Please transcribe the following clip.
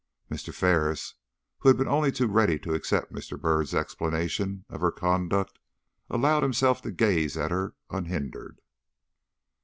Mr. Ferris, who had been only too ready to accept Mr. Byrd's explanation of her conduct, allowed himself to gaze at her unhindered.